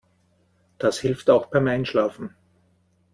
Das hilft auch beim Einschlafen.